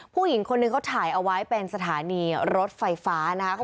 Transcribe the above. ผู้หญิงคนหนึ่งเขาถ่ายเอาไว้เป็นสถานีรถไฟฟ้านะคะ